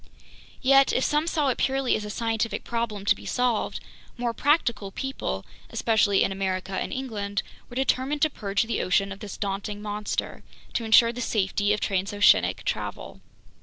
Yet if some saw it purely as a scientific problem to be solved, more practical people, especially in America and England, were determined to purge the ocean of this daunting monster, to insure the safety of transoceanic travel.